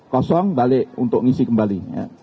kosong balik untuk ngisi kembali